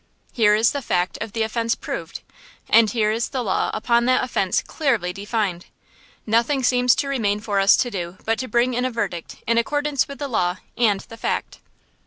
Here is the fact of the offence proved, and here is the law upon that offence clearly defined. Nothing seems to remain for us to do but to bring in a verdict in accordance with the law and the fact."